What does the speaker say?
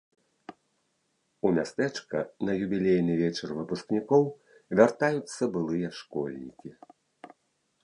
У мястэчка на юбілейны вечар выпускнікоў вяртаюцца былыя школьнікі.